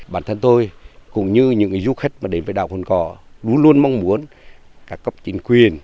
bản thân tôi cũng như những du khách mà đến với đảo cồn cỏ luôn luôn mong muốn các cấp chính quyền